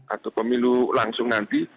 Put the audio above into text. atau pemilu langsung nanti